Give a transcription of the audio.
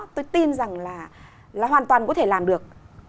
tôi tin rằng là hoàn toàn có thể làm được